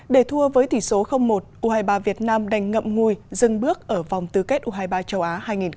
để thua với tỷ số một u hai mươi ba việt nam đành ngậm ngùi dừng bước ở vòng tư kết u hai mươi ba châu á hai nghìn hai mươi bốn